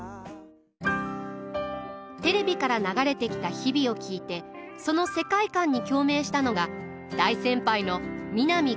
テレビから流れてきた「日々」を聴いてその世界観に共鳴したのが大先輩の南